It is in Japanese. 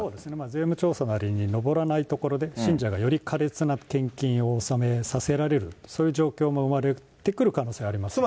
税務調査に上らないところで、信者がよりかれつな献金を納めさせられる、そういう状況が生まれてくる可能性ありますね。